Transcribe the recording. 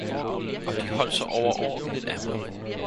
Og de holdt så overordentlig af mig